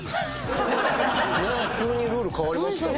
急にルール変わりましたね。